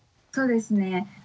そうですね。